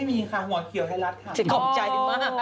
ไม่มีค่ะหัวเขียวให้รัฐค่ะ